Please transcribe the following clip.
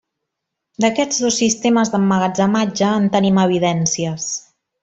D’aquests dos sistemes d'emmagatzematge en tenim evidències.